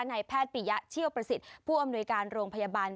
นายแพทย์ปียะเชี่ยวประสิทธิ์ผู้อำนวยการโรงพยาบาล